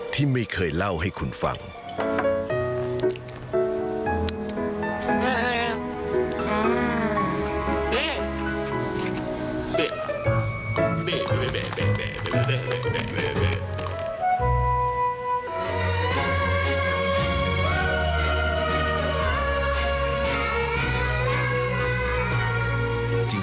ที่ไม่เคยเล่าให้คุณฟัง